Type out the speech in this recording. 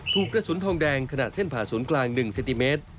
ถูกกระสุนทองแดงขนาดเส้นผ่าศูนย์กลาง๑เซนติเมตร